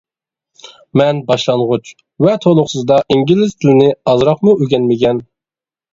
مەن باشلانغۇچ ۋە تولۇقسىزدا ئىنگلىز تىلىنى ئازراقمۇ ئۆگەنمىگەن.